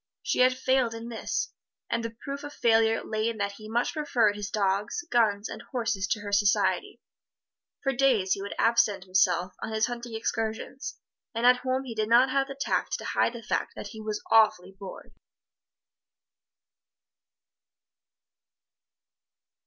She had failed in this, and the proof of failure lay in that he much preferred his dogs, guns and horses to her society. For days he would absent himself on his hunting excursions, and at home he did not have the tact to hide the fact that he was awfully bored.